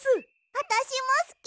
あたしもすき！